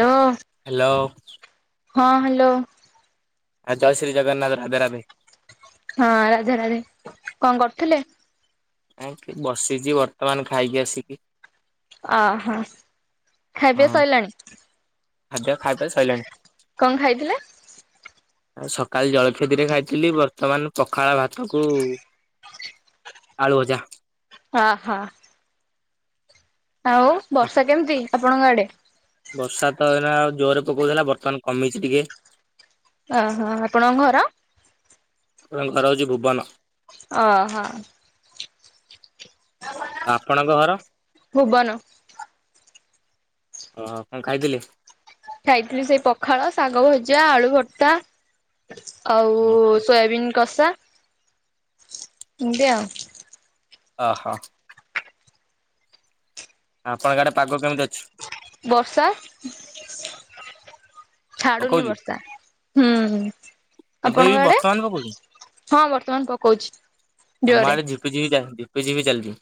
Hello! Hello! ହଁ, hello! ଆଁ ଜୟ ଶ୍ରୀ ଜଗନ୍ନାଥ, ରାଧେ ରାଧେ! ହଁ ରାଧେ ରାଧେ, କଣ କରୁଥିଲେ? ଏମିତି ବସିଛି ବର୍ତ୍ତମାନ ଖାଇକି ଆସିକି। ଅ ହଁ। ଖାଇପିଆ ହଁ ସରିଲାଣି, ଖାଦ୍ୟ ଖାଇବା ସଇଲାଣି କଣ ଖାଇଥିଲେ? ଆ ସକାଳେ ଜଳଖିଆ ଟିକେ ଖାଇଥିଲି, ବର୍ତ୍ତମାନ ପଖାଳ ଭାତକୁ ଆଳୁ ଭଜା। ଅଁ ହଁ। ଆଉ ବର୍ଷା କେମିତି ଆପଣଙ୍କ ଆଡେ? ବର୍ଷା ତ ଏଇନା ଜୋରରେ ପକଉଥିଲା ବର୍ତ୍ତମାନ କମିଛି ଟିକେ। ଓହୋଃ, ଆପଣଙ୍କ ଘର? ଆମର ଘର ହେଉଛି ଭୁବାନ। ଓହୋଃ! ଆପଣଙ୍କ ଘର, ଭୁବନ କଣ ଖାଇଥିଲେ? ଖାଇଥିଲି ସେଇ ପଖାଳ, ଶାଗ ଭଜା, ଆଳୁ ଭର୍ତା ଆଉ ଓହୋ ସୋୟାବିନ୍ କଷା। ଏମିତି ଆଉ। ଓହୋଃ! ଆପଣଙ୍କ ଆଡେ ପାଗ କେମିତି ଅଛି? ବର୍ଷା ଛାଡୁନି ପକଉଛି ବର୍ଷା, ହୁଁ ଏବେ ବି ଆପଣଙ୍କ ଆଡେ? ବର୍ତ୍ତମାନ ପକଉଛି? ହଁ, ବର୍ତ୍ତମାନ ପକଉଛି ଆମ ଜୋରରେ। ଆଡେ ଝିପିଝିପି ଚାଲିଛି, ଝିପିଝିପି ଚାଲିଛି।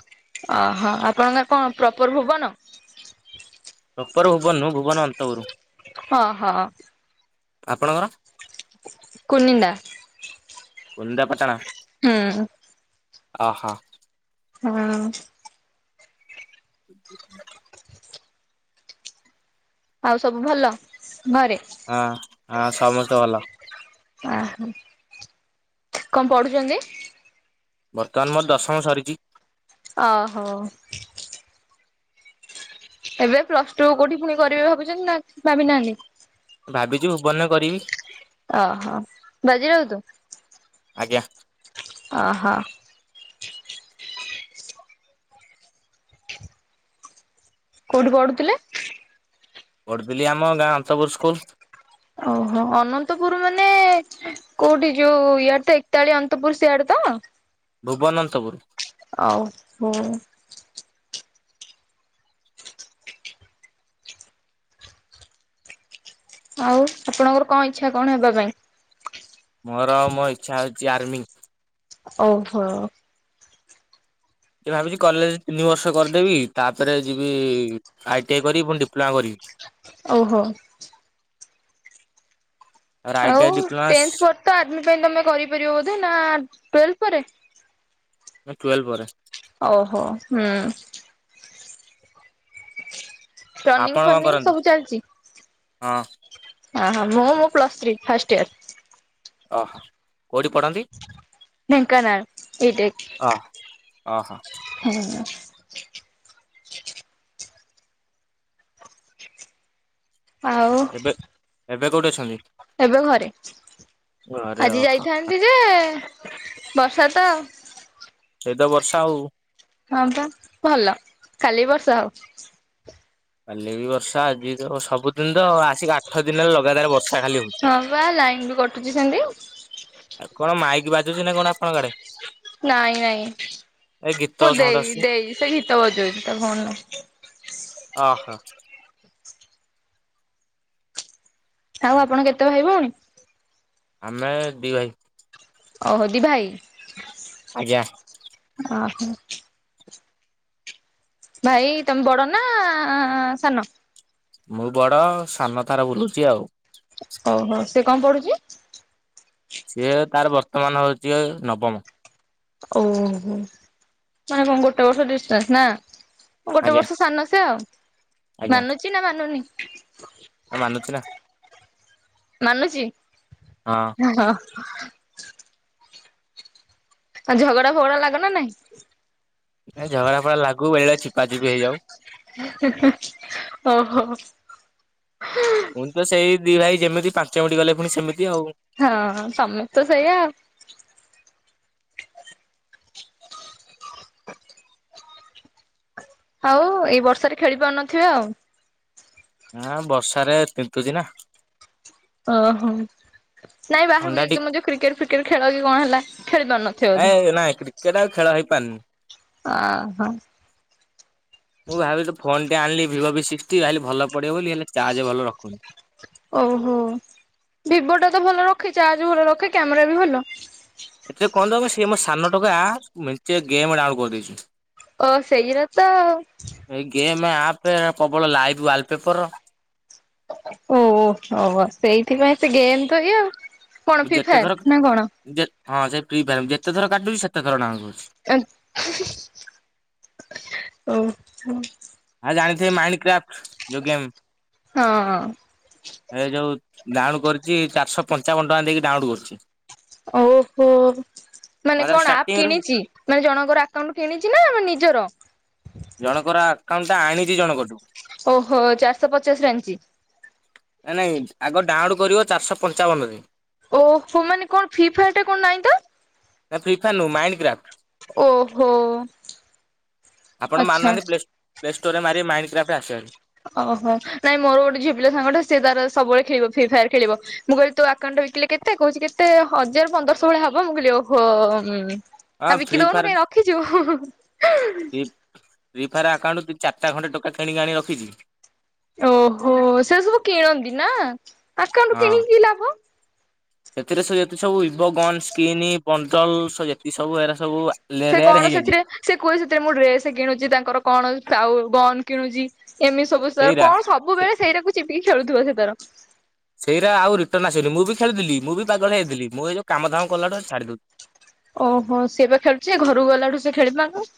ଓହୋଃ, ଆପଣଙ୍କର କଣ ପ୍ରପର ଭୁବନ? ପ୍ରପୋର ଭୁବନ ନୁହଁ ଭୁବନ ଅନ୍ତପୁରୁ, ଓହୋ ଆପଣଙ୍କର? କୁନିନ୍ଦା। କୁନିନ୍ଦା ପାଟଣା। ହୁଁ। ଓହୋଃ! ହଁ। ଆଉ ସବୁ ଭଲ ଘରେ? ହଁ ହଁ ସମସ୍ତେ ଭଲ। କଣ ପଢୁଛନ୍ତି? ବର୍ତ୍ତମାନ ମୋର ଦଶମ ସରିଛି। ଅହୋ। ଏବେ ପ୍ଲସ ଟୁ କୋଉଠି ପୁଣି କରିବେ ଭାବୁଛନ୍ତି ନା କି ଭାବି ନାହାନ୍ତି? ଭାବିଚି ଭୁବନରେ କରିବି। ଓହୋ ବାଜି ରାଇତୁ? ଆଜ୍ଞା। ଅହ। କୋଉଠି ପଢୁଥିଲେ? ବଡ଼ବିଲ୍ ଆମ ଗାଁ ଅନ୍ତପୁର ସ୍କୁଲ। ଓହୋ ଅନନ୍ତପୁର ମାନେ କୋଉଠି ଯୋଉ ଇଆଡେ ତ ଏକତାଳି ଅନ୍ତପୁର ସିଆଡେ ତ? ଭୁବନ ଅନ୍ତପୁର। ଆଉ ହୁଁ। ଆଉ ଆପଣଙ୍କର କଣ ଇଚ୍ଛା କଣ ହେବା ପାଇଁ? ମୋର ମୋ ଇଚ୍ଛା ହୋଉଛି ଆର୍ମି। ଓହୋ। ଭାବିଛି କଲେଜ ତିନି ବର୍ଷ କରିଦେବି ତାପରେ ଯିବି। ଆଇ ଟି ଆଇ କରିବି ପୁଣି ଡିପ୍ଲୋମା କରିବି। ଓହୋ। ତାପରେ ଆଇ ଟି ଆଉ ଆଇ ଡିପ୍ଲୋମା ଟେନ୍ଥ ପରେ ତ ଆର୍ମି ପାଇଁ ତମେ କରିପାରିବ ବୋଧେ ନା ଟୁୱେଲ୍ଭ ପରେ? ନାଁ ଟୁୱେଲ୍ଭ ପରେ। ଓହୋ ହୁଁ। ଟନିଂ ଆପଣ କଣ ଫନିଂ କରନ୍ତି ସବୁ ହଁ? ଓହୋ ମୁଁ ମୁଁ ପ୍ଲସ୍ ଥ୍ରୀ ଫାଷ୍ଟ ଇୟର। ଅହ। କୋଉଠି ପଢନ୍ତି? ଢେଙ୍କାନାଳ ବିଟେକ୍ ଅ ଅହ। ହୁଁ। ଆଉ ଏବେ ଏବେ କୋଉଠି ଅଛନ୍ତି? ଏବେ ଘରେ ଅଛି। ଘରେ ଆଜି ଓହୋ ଯାଇଥାନ୍ତି ଯେ ବର୍ଷା ତ। ସେଇ ତ ବର୍ଷା ଆଉ। ହଁ ପା ଭଲ କାଲି ବର୍ଷା ହଉ। କାଲି ବି ବର୍ଷା ଆଜି ତ ସବୁଦିନ ତ ଆସିକି ଆଠ ଦିନ ହେଲା ଲଗାତାର ବର୍ଷ ହଁ ପା ଲାଇନ ବି କଟୁଛି ସେମିତି। କଣ ମାଇକ ବାଜୁଛି ନା କଣ ଆପଣଙ୍କ ଆଡେ? ନାଇଁ ନାଇଁ ଏ ଗୀତ ମୋ ସାଉଣ୍ଡ ଦେଇ ଆସୁଛି ଦେଇ ସେ ଗୀତ ବଜାଉଛି ତା ଫୋନରେ। ଓହୋ। ଆଉ ଆପଣ କେତେ ଭାଇ ଭଉଣୀ? ଆମେ ଦୁଇ ଭାଇ ଓହୋ ଦି ଭାଇ। ଆଜ୍ଞା। ଓହୋ। ଭାଇ ତମେ ବଡ ନା ସାନ? ମୁଁ ବଡ ସାନ ତାର ବୁଲୁଚି ଆଉ। ଓହୋ ସେ କଣ ପଢୁଚି? ସିଏ ତାର ବର୍ତ୍ତମାନ ହଉଚି ନବମ। ଓହୋ ମାନେ କଣ ଗୋଟେ ବର୍ଷ ଡିସାନ୍ସ ନା? ଗୋଟେ ଆଜ୍ଞା ବର୍ଷ ସାନ ସେ ଆଉ। ଆଜ୍ଞା ମାନୁଚି ନା ମାନୁନି? ମାନୁଛି ନା ମାନୁଚି? ହଁ ଆଉ ଝଗଡା ଫଗଡା ଲାଗ ନା ନାଇଁ? ଏ ଝଗଡା ଫଗଡା ଲାଗୁ ବେଳେବେଳେ ଚିପାଚିପି ହେଇଯାଉ। ଓହୋ। ପୁଣି ତ ସେଇ ଦି ଭାଇ ଯେମିତି ପାଞ୍ଚ ମିନିଟ ଗଲେ ପୁଣି ସେମିତି ଆଉ। ହଁ ସମସ୍ତେ ତ ସେଇଆ ଆଉ। ଆଉ ଏଇ ବର୍ଷାରେ ଖେଳି ପାରୁନଥିବେ ଆଉ? ହଁ ବର୍ଷାରେ ତିନ୍ତୁଚି ନା। ଓହୋ ନାଇଁ ବାହାରକୁ ଥଣ୍ଡା ଯାଇକି ଟି ତମେ ଯୋଉ କ୍ରିକେଟ ଫ୍ରିକେଟ ଖେଳ କି କଣ ହେଲା ଖେଳି ପାରୁନ? ଆ ନାଇଁ କ୍ରିକେଟ ଆଉ ଖେଳ ହେଇପାରିନି। ଓହୋ। ମୁଁ ଭାବିଲି ଫୋନ ଟେ ଆଣିଲି ଭିବୋ ଭି ସିକ୍ସଟି ଭାଇଲି ଭଲ ପଡିବ ବୋଲି ହେଲେ ଚାର୍ଜ ଭଲ ରଖୁନି। ଓହୋ ଭିବୋ ଟା ତ ଭଲ ରଖେ। ଚାର୍ଜ ଭଲ ରଖେ କ୍ୟାମେରା ବି ଭଲ। ଏଥିରେ କଣ ନା ସେ ମୋ ସାନ ଟାେକା ମେଞ୍ଚେ ଗେମ୍ ଡାଉନ କରିଦେଇଚି। ଓ ସେଇଗୁରା ତ ଆଉ। ଏଇ ଗେମ୍ ଆପ, ପ୍ରବଳ ଲାଇଭ୍ ୱାଲ ପେପର। ଓହୋ ସେଇଥିପାଇଁ ସେ ଗେମ ପାଇ ଆଉ। କଣ ମୁଁ ଫ୍ରି ଯେତେଥର ଫାୟାର ନା କଣ ଯେ ହଁ ସେଇ ଫ୍ରିଫାୟାର ଯେତେ ଥର କାଟୁଛଚି ସେତେଥର ଡାଉନଲୋଡ କରୁଚି। ଏ ଓହୋ। ଆଉ ଜାଣିଥିବେ ମାଇଣ୍ଡ କ୍ରା୍ଫ୍ଟ ଯୋଉ ଗେମ। ହଁ। ଏ ଯୋଉ ଡାଉନ କରିଚି ଚାରିଶହ ପଞ୍ଚାବନ ଟଙ୍କା ଦେଇକି ଡାଉନ କରିଚି। ଓହୋ ମାନେ ମାତ୍ର କଣ ଆପ୍ ଷ୍ଟାର୍ଟିଂ ରୁ କିଣିଚି? ନା ଜଣଙ୍କର ଆକାଉଣ୍ଟ କିଣିଚି ନା ନିଜର? ଜଣଙ୍କର ଆକାଉଣ୍ଟ ଟା ଆଣିଚି ଜଣଙ୍କଠୁ। ଓହୋ ଚାରିଶହ ପଚାଶରେ ଆଣିଚି। ଆ ନାଇଁ ଆଗ ଡାଉନ କରିବ ଚାରିଶହ ପଞ୍ଚାବନରେ। ଓହୋ ମାନେ କଣ ଫ୍ରିଫାୟାର ଟା କଣ ନାହିଁ ତ? ନା ଫ୍ରିଫାୟାର ନୁହଁ ମାଇଣ୍ଡ କ୍ରାଫ୍ଟ। ଓହୋ ଆଚ୍ଛା। ପ୍ଲେଷ୍ଟୋରରେ ମାରିବେ ମାଇଣ୍ଡ କ୍ରାଫ୍ଟସ ଆସିବ। ଓହୋ ନାଇଁ ମୋର ଗୋଟେ ଝିଅ ପିଲା ସାଙ୍ଗଟା ସେ ତାର ସବୁବେଳେ ଖେଳିବ ଫ୍ରି ଫାୟାର ଖେଳିବ। ମୁଁ କହିଲି ତୋ ଆକାଉଣ୍ଟ ୱୀକିଲି କେତେ କହୁଚି କେତେ ହଜାର ପନ୍ଦରଶହ ଭଳିଆ ହବ ମୁଁ କହିଲି ଓହୋ। ଭାରି ଆଉ ହଁ ଫ୍ରି ବିକି ଦଉନୁ ଫାୟାର କାଇଁ ରଖିଚୁ? ଫ୍ରି ଫ୍ରି ଫାୟାର ଆକାଉଣ୍ଟ ଚାରିଟା ଖଣ୍ଡେ ଟୋକା କିଣିକି ଆଣି ରଖିଚି। ଓହୋ ସେ ସବୁ କିଣନ୍ତି ନା ଆକାଉଣ୍ଟ କିଣିକି କି ଲାଭ? ଏଥିରେ ସବୁ ଯେତେ ସବୁ ଇଭୋ ଗନ୍ ସ୍କିନି ପଣ୍ଡଲ ସ ଯେତିକି ସବୁ ଏରା ସବୁ ସେ ରେୟାର କଣ ହେଇଯାଇଛି। ସେଥିରେ ସେ କୁହେ ସେଥିରେ ମୁଁ ରେସ କିଣୁଚି ତାଙ୍କର କଣ ଗନ କିଣୁଚି ଏମିତି ସ ସବୁ ସେର ସେଇରା କଣ ସେ ସବୁବେଳେ ସେଇଟା ଚିପିକି ଖେଳୁଥିବ ସେ ତର। ସେଇରା ଆଉ ରିଟର୍ନ ଆସିବନି ମୁଁ ବି ଖେଳିଥିଲି ମୁଁ ବି ପାଗଳ ହେଇଯାଇଥିଲି ମୁଁଇ ଯଉ କାମ ଦାମ କଲାଠୁ ଛାଡି ଦଉ ଓହୋ ସିଏ ବା ଖେଳୁଛି ଘରକୁ ଗଲାଠୁ ସେ ଖେଳିବା ଆଗ।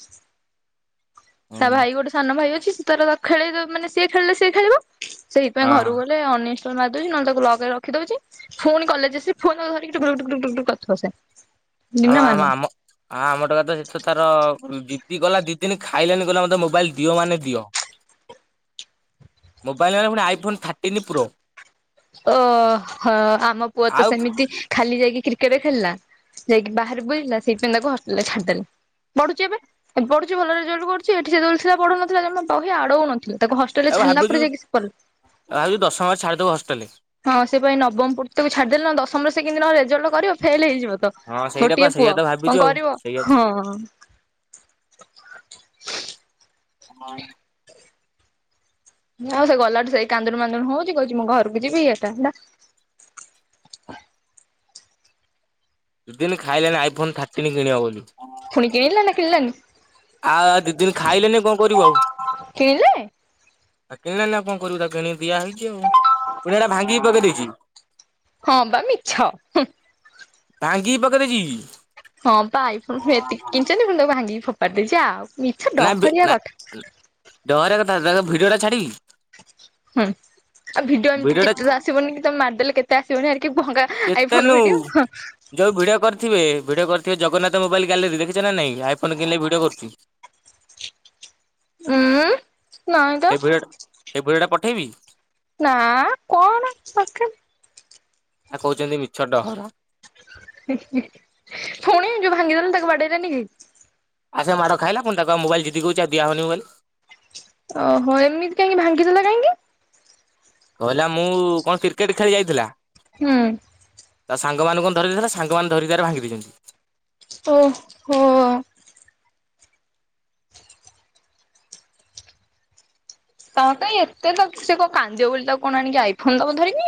ତା ହଁ ଭାଇ ଗୋଟେ ସାନ ଭାଇ ଅଛି ସେ ତାରେ ଖୋଳେଇଦେ ମାନେ ସିଏ ଖେଳିଲେ ସିଏ ଖେଳିବ ସେଇଥିପାଇଁ ଘରକୁ ହଁ ଗଲେ ଅନଇଷ୍ଟାଲ ମାରିଦଉଛି ନହେଲେ ତାକୁ ଲକ୍ ରେ ରଖି ଦଉଛି। ଫୁଣି କଲେଜ ଫୁଣି ଧରିକି ଟୁକ୍ ଟୁକ୍ ଟୁକ୍ କରିଥିବ ସେ। ଆମ ଆମ ଦିନମାନ। ଆମ ହଁ ଆମ ଟୋକା ତ ସେ ତାର ଜିଦି କଲା ଦି ଦିନ ଖାଇଲାନି କହିଲା ମତେ ମୋବାଇଲ ଦିଅ ମାନେ ଦିଅ। ମୋବାଇଲ ନଣିବ ପୁଣି ଆଇଫୋନ୍ ଥାର୍ଟିନ୍ ପ୍ରୋ। ଓ ହ ଆମ ପୁଅ ତ ଆଉ ସେମିତି ଖାଲି ଯାଇକି କ୍ରିକେଟ ଖେଳିଲା। ଯାଇକି ବାହାରେ ବୁଲିଲା ସେଇଥିପାଇଁ ତାକୁ ହୋଷ୍ଟେଲ ରେ ଛାଡିଦେଲେ। ପଢ଼ୁଛି ଏବେ ପଢୁଛି ଭଲ ରେଜଲ୍ଟୁଛି ଏଠି ଯେତେବେଳେ ଥିଲା ପଢ଼ୁନଥିଲା ଜମା ବହି ଆଡ଼ଉ ନଥିଲେ। ତାକୁ ହଷ୍ଟେ ଛାଡିଲା ପରେ ଯାଇକି ସେ ପ ଆ ଭାବୁଚୁ ଦଶମ ରେ ଛାଡ଼ିଦେବୁ ହଷ୍ଟେଲରେ। ହଁ ସେ ପାଇଁ ନବମ ପଢୁଛି ଛାଡିଦେଲେ ନା ଦଶମ ସେ କେମତି ନ ହେଲେ ରେଜଲ୍ଟି କରିବ ଫେଲ ହେଇଯିବ ତ। ହଁ ସେଇଟା ପା ଗୋଟିଏ ସେଇଆ ପୁଅ ତ ଭାବିଛୁ କଣ ଆଉ କରିବ ସେଇଆ ହଁ। ହଁ। ଆଉ ସେ ଗଲାଠୁ ସେଇ କାନ୍ଦୁଣୁ ମାନ୍ଦୁଣୁ ହଉଛି କହୁଛି ମୁଁ ଘରକୁ ଯିବି ଏଇଟା ହେଲା। ଦୁ ଦିନ ଖାଇଲୋନଣି ଆଇଫୋନ ଥାର୍ଟିନ୍ କିଣିବ ବୋଲି। ଫୁଣିି କିଣିଲା ନା କିଣିଲାନି? ଆଉ ଦି ଦିନ ଖାଇଲେନି କଣ କରିବୁ ଆଉ। କିଣିଲେ ଆଉ କିଣିଲାଣିି ଆଉ କଣ କରିବୁ ତା କିଣି ଦିଆ ହେଇଛି ଆଉ। ପୁଣି ହେଟା ଭାଙ୍ଗିକି ପକେଇ ଦେଇଛି। ହଁ ବା ମିଛ ହୁଁ। ଭାଙ୍ଗିକି ପକେଇଦେଇଛି। ହଁ ବା ଆଇ ଫୋନ୍ ଏତିକି କିଣିଛନ୍ତି ଫୁଣି ତାକୁ ଭାଙ୍ଗିକି ଫୋପାଡି ଦେଇଛି ଆଉ। ମିଛ ନା ବି ଡହରିଆ ନା କଥା। ଡହରିଆ କଥା ଭିଡିଅ ଟା ଛାଡିବି? ହୁଁ ଆଉ ଭିଡିଓ ଏମିତି କେତେ ତ ଆସିବନି କି ତମେ ମାରିଦେଲେ କେ ଟା ଆସିବନି ହେରୀକି ଭଙ୍ଗା ଆଇ କେତେ ଫୋନ ର ନୁ ଭିଡିଓ ହଁ। ଯୋଉ ଭିଡିଓ କରିଥିବେ ଭିଡିଓ କରିଥିବେ ଜଗନ୍ନାଥ ମୋବାଇଲ ଗଲେରୀ ଦେଖିଛ ନାଇ ଆଇଫୋନ କିଣିଲେ ଭିଡିଓ କରୁଛି। ଉୁଁ ସେ ଭିଡୁଅ ଟା ସେ ଭିଡିଅ ଟା ପଠେଇବି? ନା କଣ ଦରକାର୍? ଆ କହୁଛନ୍ତି ମିଛ ଡହରା। ହିଁ ହିଁ ଫୁଣି ଯୁ ଭାଙ୍ଗିଦଲେ ତାକୁ ବାଡେଇଲନି କି? ଆଉ ସେ ମାଡ଼ ଖାଇଲା ପୁଣି ତାକୁ ମୋବଲ ଜିଦିକରୁଛି ଆଉ ଦିଆ ହବନି ମୋବାଇଲ୍। ଓହୋ ଏମିତି କାହିଁକି ଭାଙ୍ଗିଦେଲା କାହିଁକି? କହିଲା ମୁଁ କଣ କ୍ରିକେଟ ଖେଳି ଯାଇଥିଲା। ହୁଁ। ତା ସାଙ୍ଗମାନେ କଣ ଧରି ଦେଇଥିଲା ସାଙ୍ଗ ମାନେ ଧରିିକି କଣ ତାର ଭାଙ୍ଗି ଦେଇଛନ୍ତି। ଓ। ତା ପାଇଁ ଏତେ ତ ସେ କଣ କାନ୍ଦିବ ବୋଲି ତାକୁ କଣ ଆଣିକି ଆଇଫୋନ ଦବ ଧରିକି।